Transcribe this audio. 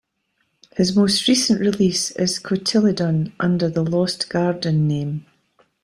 His most recent release is "Cotyledon" under the Lost Garden name.